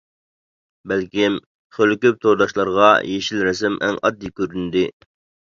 بەلكىم خېلى كۆپ تورداشلارغا يېشىل رەسىم ئەڭ ئاددىي كۆرۈندى.